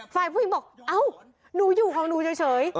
ฝ่ายผู้หญิงบอกเอ้าหนูอยู่ของหนูเฉย